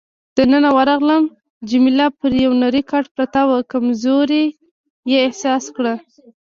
دننه ورغلم، جميله پر یو نرۍ کټ پرته وه، کمزوري یې احساس کړه.